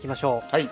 はい。